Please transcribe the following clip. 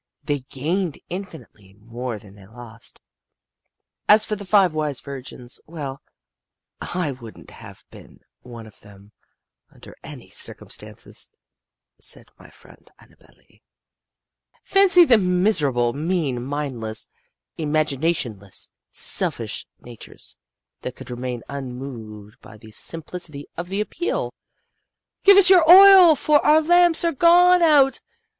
They gained infinitely more than they lost. As for the five Wise Virgins well, I wouldn't have been one of them under any circumstances," said my friend Annabel Lee. "Fancy the miserable, mean, mindless, imaginationless, selfish natures that could remain unmoved by the simplicity of the appeal, 'Give us of your oil, for our lamps are gone out.